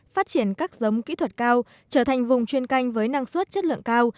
phát triển các giống kỹ thuật cao trở thành vùng chuyên canh với năng suất chất lượng cao